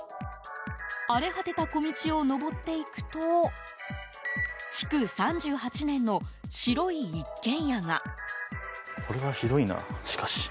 荒れ果てた小道を上っていくと築３８年の白い一軒家が。